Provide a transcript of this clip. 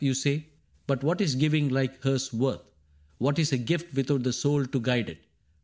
You say ; but what is giving like hers worth ? What is a gift without the soul to guide it